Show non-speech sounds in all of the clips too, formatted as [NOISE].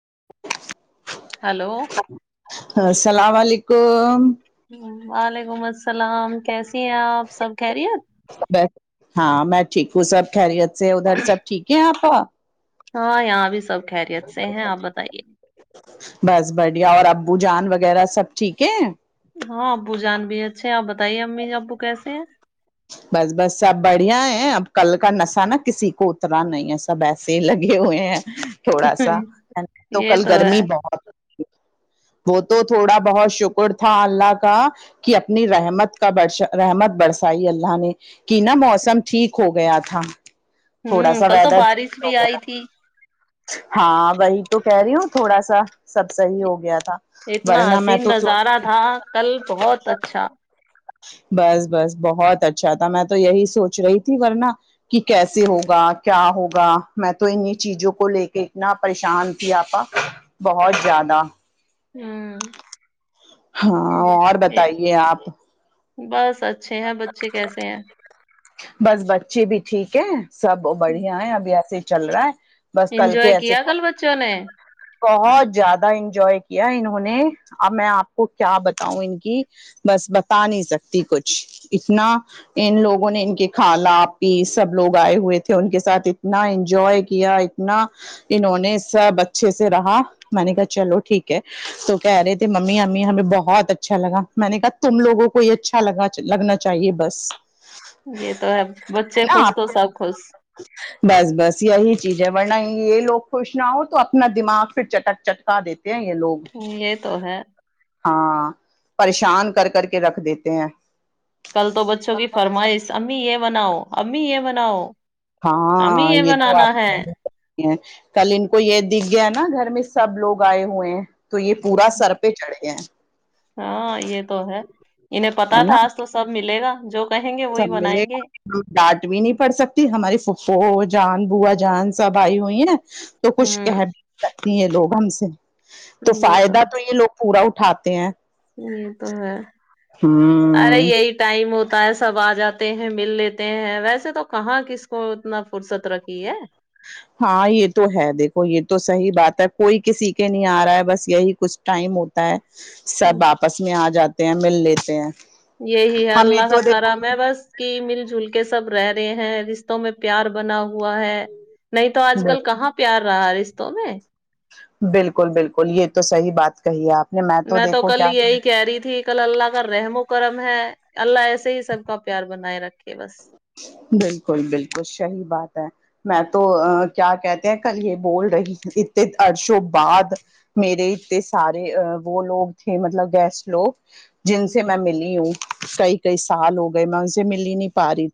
[UNINTELLIGIBLE] hello السلام علیکم وعلیکم السلام کیسے ہاں میں چیک وہ سب کھہریت سے ادھر سب ٹھیک ہے آپ ہاں یہاں سب خیریت سے ہیں آپ بتائیے بس بڑھیا اور ابو جان وغیرہ سب ٹھیک ہے ہاں بوجان بھی اچ اچھ آپ بتائیے امی ج ابو کیسے ہیں بس بس سب بڑھیا ہے اب کل کا نشہ نا کسی کو اتناا نہیں ہے سب ایسے ہی لگے ہوئے ہیں تھوڑا ہیں سا تو یہ کل ہے گرمی بہت وہ تو تھوڑا بہت شکر تھا اللہ کا کہ اپنی رحمت کا بر رحمت برس ائی اللہ نے کہ نا موسم ٹھیک ہو گیا تھا ہوں تھوڑا سا کل تو ویدر بارش چینج بھی ہو آئی گیا تھی ہاں وہی تو کہہ رہی ہوں تھوڑا سا سب صحی ہو گیا تھا اتنا ورنہ میں حسین تو سوچ نظارہ تھا کل بہت اچھا بس بس بہت اچھا تھا میں تو یہی سوچ رہی تھی ورنہ کہ کیسے ہوگا کیا ہوگا میں تو انیں چیزوں کو لے کے اتنا پریشان تھی آپا بہت زیادہ ہوں ہاں اور بتائیے آپ بس اچھے ہیں بچے کیسے ہیں بس بچے بھی ٹھیک ہے سب بڑھیا ہے ابھی ایسے چل رہا ہے بس کل انجوائے کے ایسے کیا کل تھک بچوں نے بہت زیادہ انجوائے کیا انہوں نے ا میں آپ کو کیا بتاؤں ان کی بس بتا نہیں سکتی کچھ اتنا ان لوگوں نے ان کے کھالا پی سب لوگ آئے ہوئے تھے ان کے ساتھ اتنا انجوائے کیا اتنا انہوں نے سب اچھے سے رہا میں نے کہا چلو ٹھیک ہے تو کہہ رہے تھے ممی امی ہمیں بہت اچھا لگا میں نے کہا تم لوگوں کو یہ اچھا لگا لگنا چاہیے بس یہ تو ہے بچے ہے نا خوش تو آپ کو، سب خوش چیزیں بڑنائیں گی یہ لوگ خوش نہ ہو تو اپنا دماغ پھر چٹک چٹکا دیتے ہیں یہ لوگ ہ یہ تو ہے ہاں پریشان کر کر کے رکھ دیتے ہیں کل تو بچوں کی فرمائش امی یہ بناؤ امی یہ بناؤ امی ہاں یہ تو بنانا آپ ہے ہیں کل ان کو یہ دکھ گیا نا گھر میں سب لوگ آئے ہوئے ہیں تو یہ پورا ہوں، سر پہ چڑھ گیا ہیں ہاں یہ تو ہے انہیں ہے پتا تھا نا آج تو سب ملے گا جو کہیں گے وہی سب بنائیں ملے گے گا ڈانٹ بھی نہیں پڑ سکتی ہماری فوج جان با جان سب آئی ہوئیں نا تو کچھ کہ ہوں بھی ستی ہیں لوگ ہم سے تو فائدہ تو یہ لوگ پورا اٹھاتے ہیں ہ تو ہے ارے ہوں یہی ٹائم ہو تو ہوتا ہے سب آ جاتے ہیں مل لیتے ہیں ویسے تو کہاں کس کو اتنا فرصت رکھی ہے ہاں یہ تو ہے دیکھو یہ تو صحیح بات ہے کوئی کسی کے نہیں آ رہا ہے بس یہی کچھ ٹائم ہوتا ہے سب آپس میں آ جاتا مل لیتے ہیں یہی ہے ہمیں اللہ کا تو کرا دیکھو میں بس کہ مل جل کے سب رہ رہے ہیں رشتوں میں پیار بنا ہوا ہوا ہے نہیں تو آج کل کہاں پیار رہ ہاریس تو میں بالکل بالکل یہ تو صحیح بات کہیے آپ نے میں تو دیکھو کل کیا یہی کہہ رہی تھی کل اللہ کا رحموں کرم ہے اللہ ایسے ہی سب کا پیار بنائے رکھے بس بالکل بالکل صحیح بات ہے میں تو کیا کہتے ہیں کل یہ بول رہی اتنے عرشوں بعد میرے اتے سارے وہ لوگ تھے مطلب گیسٹ لوگ جن سے میں ملی ہوں کئی کئی سال ہو گئے میں ان سے مل ہی نہیں پا رہی تھی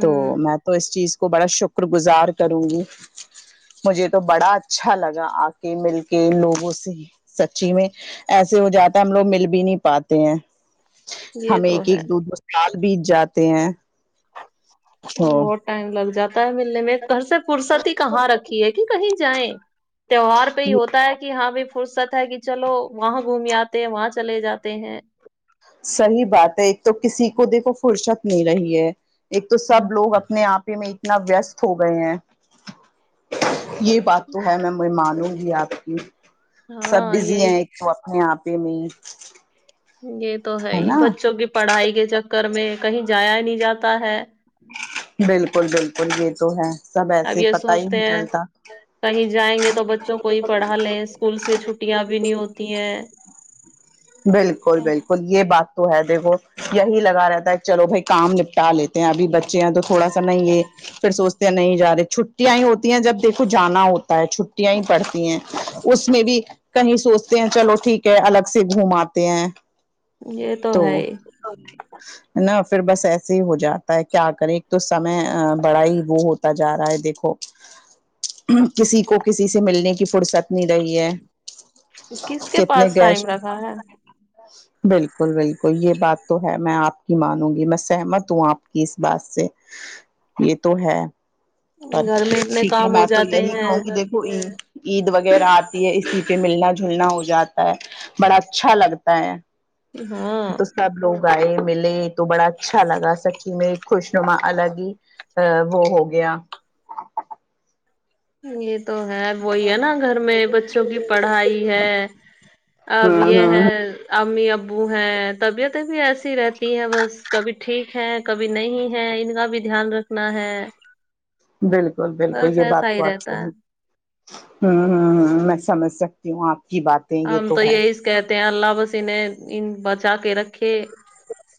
تو میں تو اس چیز کو بڑا شکر گزار کروں گی مجھے تو بڑا اچھا لگا آ کے مل کے لوگوں سے سچی میں ایسے ہو جاتا ہے ہم لوگ مل بھی نہیں پاتے ہیں یہ ہمیں تو ایک ہے ایک دو دو سال بیچ جاتے ہیں تو بہت ٹائم لگ جاتا ت ملے میں گھر سے فرصتی کہاں رکھی ہے کہ کہیں جائیں تہوار پہ ہی ہوتا ہے کہ ہاں بھی فرصت ہے کہ چلو وہاں گھوم آتے ہیں وہاں چلے جاتے ہیں صحیح بات ہے ایک تو کسی کو دیکھو فرصت نہیں رہی ہے ایک تو سب لوگ اپنے آپ میں اتنا ویست ہو گئے ہیں یہ بات تو ہے میں مانوں گی جی آپ کی سب ہاں بزی یہی ہیں ایک وقت یہاں پہ میں یہ تو ہے ہی بچوں کی پڑھائی کے چکر میں کہیں جایا ہی نہیں جاتا ہے بالکل بالکل یہ تو ہے سب اب ایسے یہ پتا ہی سوچتے نہیں ہیں چلتا کہیں جائیں گے تو بچوں کو ہی پڑھا لیں اسکول سے چھٹیاں بھی نہیں ہوتی دیں بالکل بالکل یہ بات تو ہے دیکھو یہی لگا رہتا ہے چلو بھائی کام نپٹا لیتے ہیں ابھی بچے تو تھوڑا سا نہیں ہے پھر سوچتے ہیں نہیں جا رہے چھٹیا ہی ہوتی ہیں جب دیکھو جانا ہوتا ہے چھٹیاں ہی پڑتی ہیں اس میں بھی کہیں سوچتے ہیں چلو ٹھیک ہے الگ سے سے گھوماتے ہیں یہ تو ہے ہی نہ پھر بس ایسے ہی ہو جاتا ہے کیا کریں ایک تو سمے بڑا ہی وہ ہوتا جا رہا ہے دیکھو کسی کو کسی سے ملنے کی فرصت نہیں رہی ہے کتنے گیس ہاں ہاں بالکل بالکل یہ بات تو ہے میں آپ کی مانوں گی میں سہمت ہوں آپ کی اس بات سے یہ تو ہے گھر س میں اتنے ٹھیک ہے کام ہو میں تو جاتے یہی ہیں کہوں گی دیکھو عید عید وغیرہ آتی ہے اسی پہ ملنا جلنا ہو جاتا ہے بڑا اچھا لگتا ہے ہاں گائے ملے تو بڑا اچھا لگا سچی میں خوش نما الگ ہی وہ ہو گیا ہ تو ہے وہی ہے نا گھر میں بچوں کی پڑھائی ہے اب ہوں یہ ہے ہوں امی ابو ہے طبیعتیں بھی ایسی ایسی رہتی ہے بس کبھی ٹھیک ہے کبھی نہیں ہے ان کا بھی دھیان رکھنا ہے بالکل بالکل بس یہ بات ایسا ہ ہی رہتا ہے ہ ہ میں سمج سکتی ہوں آپ کی باتیں یہ ہم تو ہے یہی کہتے ہیں اللہ بس انہیں ان بچا کے رکھے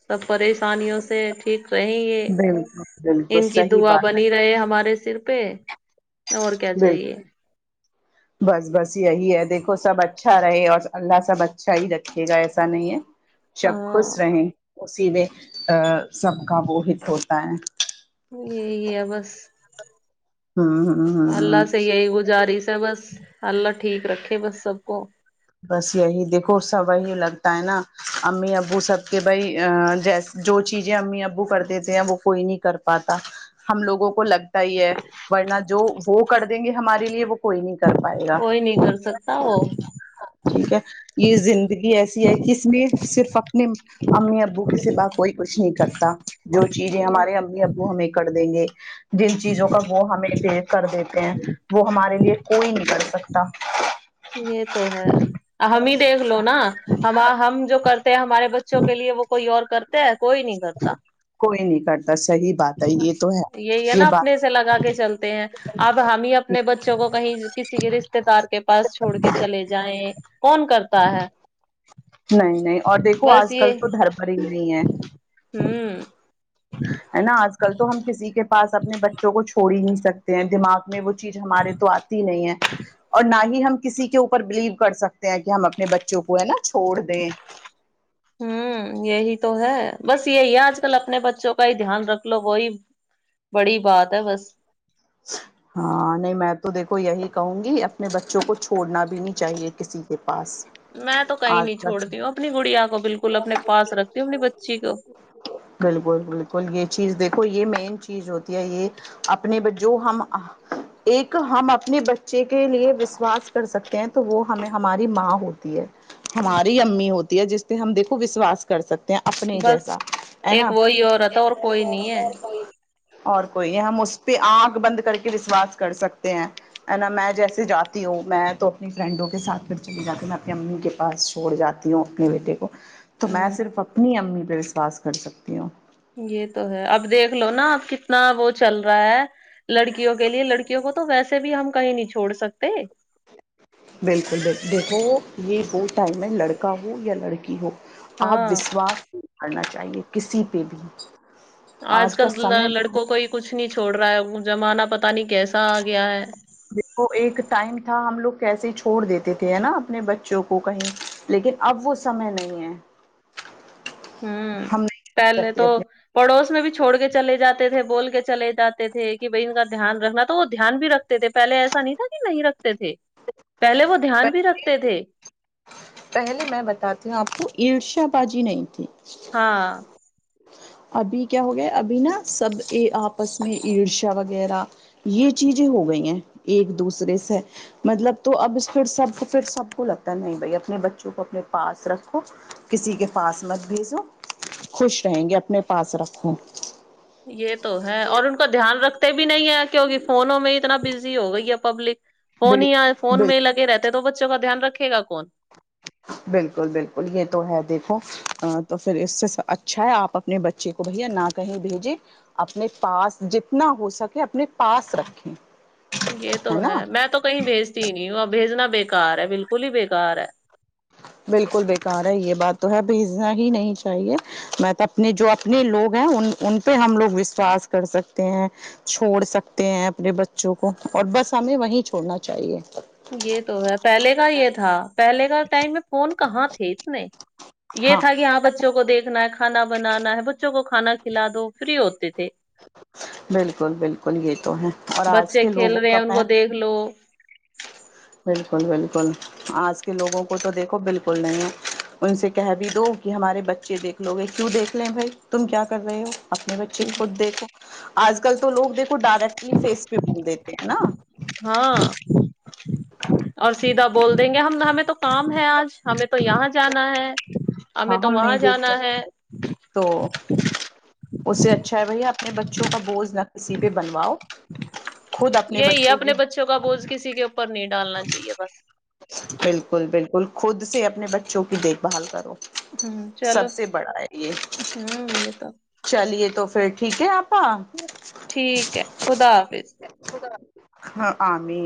سب پریشانیوں سے ٹھیک رہ یہ بالکل بالکل ان کی صحیح دعا بات ہے بنی رہے ہمارے صرف پے اور کیا بالکل چاہیے بس بس یہی ہے دیکھو سب اچھا رہے اور اللہ سب اچھا ہی رکھے گا ایسا نہیں ہے شب ہاں خوش رہیں اسی میں سب کا وہ ہت ہوتا ہے یہی ہے بس ہ اللہ ہ سے یہی گزارس ہے بس اللہ ٹھیک رکھے بس سب کو بس یہی دیکھو سب وہی لگتا ہے نا امی ابو سب کے بھائی جیس جو چیزیں امی ابو کر دیتے ہیں وہ کوئی نہیں کر پاتا ہم لوگوں کو لگ ہی ہے ورنہ جو وہ کر دیں گے ہمارے لیے وہ کوئی نہیں کر پائے گا کوئی نہیں کر سکتا وہ ٹھیک ہے یہ زندگی ایسی ہے کہ اس میں صرف اپنے امی ابو کے س با کوئی کچھ نہیں کرتا جو چیزیں ہمارے امی ابو ہمیں کر دیں گے جن چیزوں کا وہ ہمیں بھی کر دیتے ہیں وہ ہمارے لیے کوئی نہیں کر سکتا یہ تو ہے ہم ہی دیکھ لو نا ہم ہم جو کرتے ہمارے بچوں کے لیے وہ کوئی اور کرتے ہیں کوئی نہیں کرتا کوئی نہیں کرتا صحیح بات ہے یہ تو ہے یہی ہے یہ نا اپنے بات سے لگا کے چلتے ہیں اب ہم ہی اپنے بچوں کو کہیں کسی کے رشتے دار کے پاس چھوڑ کے چلے جائیں کون کرتا ہے نہیں نہیں اور دیکھو بس آج کل یہ تو دھربھر ہی نہیں ہے ہوں ہے نا آج کل تو ہم کسی کے پس اپنے بچوں کو چھوڑی نہیںکتے سکتے ہیں دماغ میں وہچ چیز ہمارے تو آتی نہیں ہے اور نہ ہی ہم کسی کے اوپر بلیو کر سکتے کہ ہم اپنے بچوں کو ہے نا چھوڑ دیں ہوں یہی تو ہے بس یہی ہے آج کل اپنے بچوں کا ہی دھیان رکھ لو وہی بڑی بات ہے بس ہاں نہیں میں تو دیکھو یہی کہوں گی اپنے بچوں کو چھوڑنا بھی نہیں چاہیے کسی کے پس میں تو کہیں آ نہیں چھوڑتی ہوں اپنی گڑیا کو بالکل اپنے پاس رکھتی ہوں اپنی بچی کو بالکل بالکل یہ چیز دیکھ کو یہ مین چیز ہوتی ہے یہ اپنے بے جو ہم ایک ہم اپنے بچے کے لیے وشواس کر سکتے ہیں تو وہ ہمیں ہماری ماں ہوتی ہے ہماری امی ہوتی ہے جس پہ ہم دیکھو وشواس کر سکتے اپنے بس جیسا ہے ایک ن وہی عورت ہے اور کوئی نہیں ہے اور کوئی ہے ہم اس پہ آگ بند کر کے وشواس کر سکتے ہیں نا میں جیسے جاتی ہوں میں تو اپنی فرینڈوں کے ساتھ پھر چلی جاتی ہوں میں اپنی امی کے پاس چھوڑ جاتی ہوں اپنے بیٹے کو تو میں ہ صرف اپنی امی وشواس کر سکتی ہوں یہ تو ہے اب دیکھ لو نا اب کتنا وہ چل رہا ہے لڑکیوں کے لیے لڑکیوں کو تو ویسے بھی ہم کہیں نہیں چھوڑ سکتے بالکل بکل دیکھو یہ وہ ٹائم ہے لڑکا ہو یا لڑکی ہو آپ ہاں وشواس پڑنا چاہیے کسی پہ بھی آج کا کل سمے جو لڑکوں ہے، کوئی کچھ نہیں چھوڑ رہا ہے جمانہ پت پتا نہیں کیسا آ گیا ہے دیکھو ایک ٹائم تھا ہم لوگ کیسے چھوڑ دیتے تھے نا اپنے بچوں کو کہیں لیکن اب وہ سمے نہیں ہے ہوں ہم نہیں چھوڑ پہلے تو سکتے اپنے پڑوس میں بھی چھوڑ کے چل جاتے تھے بول کے چلے جاتے تھے کہ بھائی ان کا دھیان رکھنا تو وہ دھیان بھی رکھتے تھے پہلے ایسا نہیں تھا کہ نہیں رکھتے تھے پہلے وہ دھیان بھی رکھتے تھے پہلے میں بتاتی ہوں آپ کو عش ش بازی نہیں تھی ہاں ابھی کیا ہو گیا ابھی نا سب ا آپس میں عرشا وغیرہ یہ چیزیں ہو گئی ہیں ایک دوسرے سے مطلب تو اب پھر سب پھر سب کو لگتا ہے نہیں بھائی اپنے بچوں کو اپنے پاس رکھو کسی کے پاس مت بھیجو خوش کہیں گے اپنے پاس رکھو یہ تو ہے اور ان کو دھیان رکھتے بھی نہیں ہے کیونک فونوں میں اتنا بزی ہو گئی ہے پبلک فون بال ہی فون بالکل میں لگے رہتے ہیں تو بچوں کا دھیان رکھ رکھے گا کون بالکل بالکل یہ تو ہے دیکھو تو پھر اس سے اچھا ہے آپ اپنے بچے کو بھیا نہ کہیں بھیجیں اپنے پاس جتنا ہو سکے اپنے پاس رکھیں یہ تو ہے میں تو کہیں بھیجتی ہی نہیں ہوں اور بھیجنا بھی بےکار ہے بالکل ہی بےکار ہے بالکل بیکار ہے یہ بات تو ہے بھیجنا ہی نہیں چاہیے میں تو اپنے جو اپنے لوگ ہیں ان ان پہ ہم لوگ وشواس کر سکتے ہیں چھوڑ سکتے ہیں اپنے بچوں کو اور بس ہمیں وہی چھوڑنا چاہیے یہ تو ہے پہلے کا یہ تھا پہلے کا ٹائم میں فون کہاں تھے اتنے یہ تھا کہ ہاں بچوں کو دیکھ نا کانا بنانا ہے بچوں کو کھانا کھلا دو فری ہوتے تھے بالکل بالکل یہ تو ہے اور آج بچے کے کھیل لوگوں رہے کا ہیں ان کو میں دیکھ لو بالکل بالکل آج کے لوگوں کو تو دیکھو بالکل نہیں ہے ان سے کہہ بھی دو کہ ہمارے بچے دیکھ لو گے کیوں دیکھ لیں بھائی تم کیا کر رہے ہو اپنے بچے خود دیکھو آج کل تو لگ دیکھ کو ڈائریکٹلی فیس پہ بول دیتے ہیں نا ہاں اور سیدھا بول دیں گے ہم نہ میں تو کام ہے آج ہمیں تو یہاں جانا ہے ہمیں ہاں تو ہم وہاں نہیں دیکھ جانا سکتے ہے تو اس سے اچھا ہے بھیا اپنے بچوں کا بوجھ نہ کسی پہ بنواؤ خود اپنے یہی ہے کی اپنے بچوں کا بوجھ کسی کے اوپر نہیں ڈالنا چاہیے بس بالکل بالکل خود سے اپنے بچوں کی دیکھ بھال کرو ہوں چلو سب سے بڑا ہے یہ ہوں یہ تو چلیے تو پھر ٹھیک ہے آپ ٹھیک ہے خدا حافظ ہاں آمی